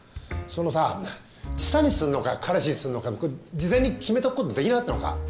そのさ千紗にするのか彼氏にするのか事前に決めておくことできなかったのか？